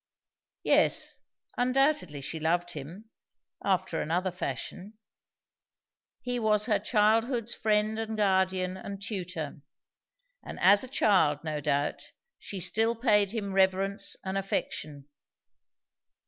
Yes, undoubtedly she loved him, after another fashion; he was her childhood's friend and guardian and tutor; and as a child, no doubt, she still paid him reverence and affection.